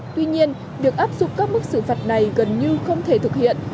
tuy nhiên việc áp dụng các mức xử phạt này gần như không thể thực hiện